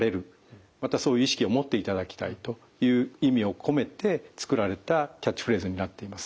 またそういう意識を持っていただきたいという意味を込めて作られたキャッチフレーズになっています。